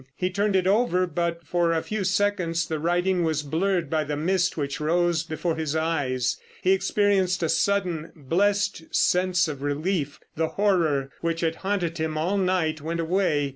He turned it over, but for a few seconds the writing was blurred by the mist which rose before his eyes. He experienced a sudden, blessed sense of relief. The horror which had haunted him all night went away.